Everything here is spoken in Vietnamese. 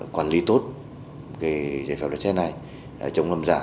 quản lý tốt cái giấy phép lái xe này trong lâm giả